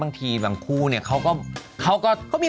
บางทีบางคู่เนี่ยเขาก็มี